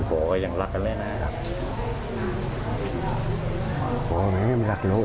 พ่อก็ยังรักต่อแล้วนะครับ